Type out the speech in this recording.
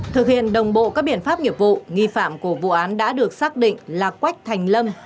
thực hiện đồng bộ các biện pháp nghiệp vụ nghi phạm của vụ án đã được xác định là quách thành lâm